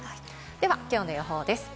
ではきょうの予報です。